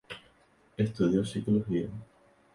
Estudió Psicología.